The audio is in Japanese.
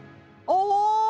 お！